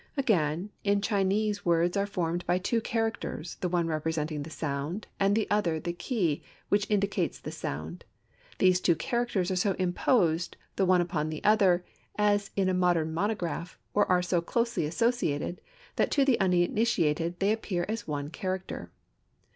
Again, in Chinese words formed by two characters, the one representing the sound, and the other the key which indicates the sound, these two characters are so imposed, the one upon the other, as in a modern monogram, or are so closely associated, that to the uninitiated they appear as one character.